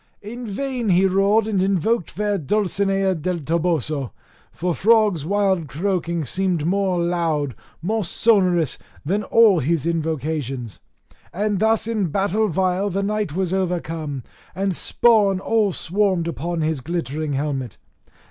In vain he roared, and invoked fair Dulcinea del Toboso: for frogs' wild croaking seemed more loud, more sonorous than all his invocations. And thus in battle vile the knight was overcome, and spawn all swarmed upon his glittering helmet.